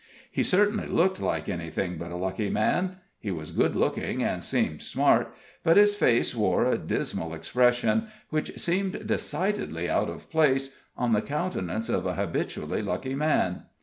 He certainly looked like anything but a lucky man; he was good looking, and seemed smart, but his face wore a dismal expression, which seemed decidedly out of place on the countenance of a habitually lucky man.